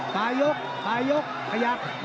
ตายกตายยกขยับ